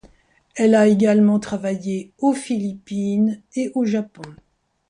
Elle a également travaillé aux Philippines et au Japon.